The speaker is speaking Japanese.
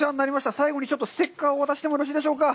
最後にちょっとステッカーを渡してもよろしいでしょうか？